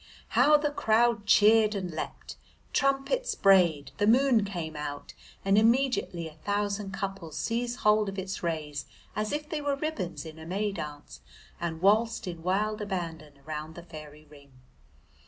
How the crowd cheered and leapt! Trumpets brayed, the moon came out, and immediately a thousand couples seized hold of its rays as if they were ribbons in a May dance and waltzed in wild abandon round the fairy ring.